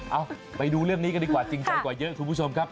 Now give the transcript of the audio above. เอาไปดูเรื่องนี้กันดีกว่าจริงใจกว่าเยอะคุณผู้ชมครับ